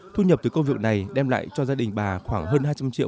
thu nhập từ công việc này đem lại cho gia đình bà khoảng hơn hai trăm linh triệu